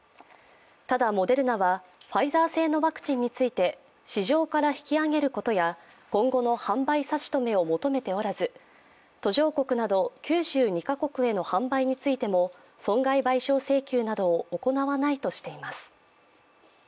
ただモデルナはファイザー製のワクチンについて市場から引き揚げることや今後の販売差し止めを求めておらず途上国など９２カ国への販売についても損害賠償請求などを行わないとしています。